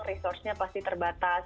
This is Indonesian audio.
resourcenya pasti terbatas